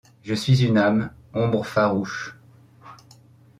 Je suis une âme ombres farouches